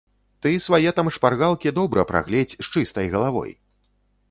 Ты свае там шпаргалкі добра прагледзь, з чыстай галавой!